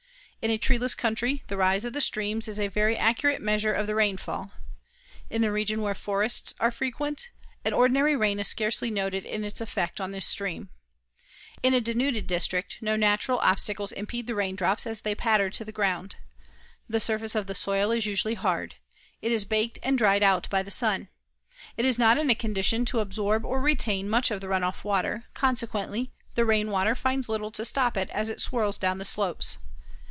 In a treeless country, the rise of the streams is a very accurate measure of the rainfall. In the region where forests are frequent, an ordinary rain is scarcely noticed in its effect on the stream. In a denuded district no natural obstacles impede the raindrops as they patter to the ground. The surface of the soil is usually hard. It is baked and dried out by the sun. It is not in condition to absorb or retain much of the run off water, consequently, the rain water finds little to stop it as it swirls down the slopes.